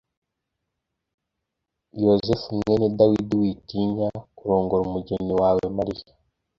Yosefu mwene Dawidi, witinya kurongora umugeni wawe Mariya